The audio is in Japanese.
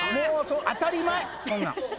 当たり前そんなん。